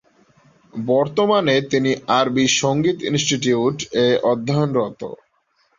বর্তমানে তিনি আরবি সঙ্গীত ইনস্টিটিউট এ অধ্যয়নরত।